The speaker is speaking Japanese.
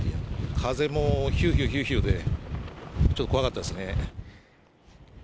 風もひゅーひゅーひゅーで、ちょっと怖かったですね。